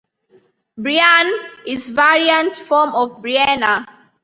"Breanne" is variant form of "Breanna".